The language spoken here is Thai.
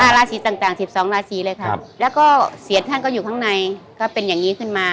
ค่ะลาสีต่างต่างสิบสองลาสีเลยค่ะครับแล้วก็เสียท่านก็อยู่ข้างในก็เป็นอย่างงี้ขึ้นมา